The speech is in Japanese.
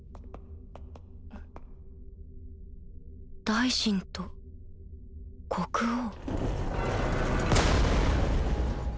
大臣と国王？